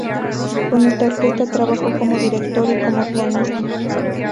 Con esta orquesta trabajó como director y como pianista.